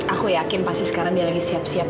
aku yakin pasti sekarang dia lagi siap siap